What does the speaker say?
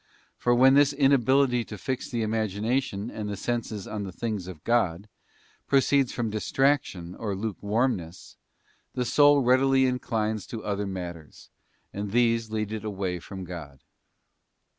For _ when this inability to fix the imagination and the senses on _ the things of God proceeds from distraction or lukewarm ness, the soul readily inclines to other matters, and these lead it away from God.